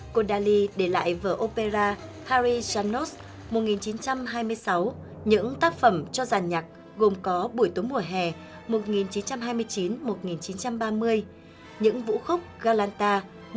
kodaly để lại vở opera harry janos một nghìn chín trăm hai mươi sáu những tác phẩm cho giàn nhạc gồm có bủi tố mùa hè một nghìn chín trăm hai mươi chín một nghìn chín trăm ba mươi những vũ khúc galanta một nghìn chín trăm ba mươi ba